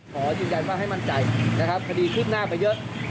ขอยืนยันว่าให้มั่นใจนะครับคดีคืบหน้าไปเยอะ